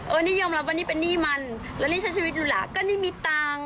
อันนี้ยอมรับว่านี่เป็นหนี้มันแล้วนี่ใช้ชีวิตอยู่ล่ะก็นี่มีตังค์